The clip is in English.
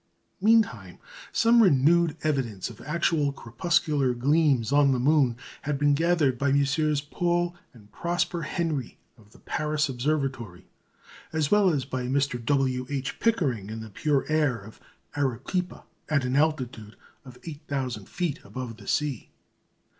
Meantime, some renewed evidence of actual crepuscular gleams on the moon had been gathered by MM. Paul and Prosper Henry of the Paris Observatory, as well as by Mr. W. H. Pickering, in the pure air of Arequipa, at an altitude of 8,000 feet above the sea.